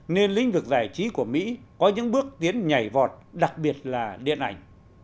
nên lĩnh vực giải trí của mỹ có những bước tiến nhảy vọt đặc biệt là điện ảnh